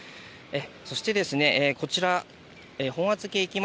そして、こちらの本厚木駅前